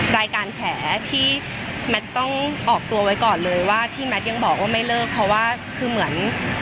รายการแฉที่แมทต้องออกตัวไว้ก่อนเลยว่าที่แมทยังบอกว่าไม่เลิกเพราะว่าคือเหมือน